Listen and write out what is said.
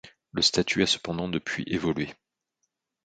Le statut a cependant depuis évolué.